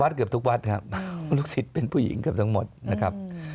เกือบทุกวัดครับลูกศิษย์เป็นผู้หญิงเกือบทั้งหมดนะครับ